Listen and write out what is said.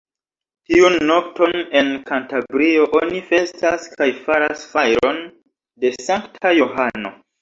Tiun nokton, en Kantabrio oni festas kaj faras fajron de Sankta Johano.